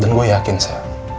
dan gue yakin sa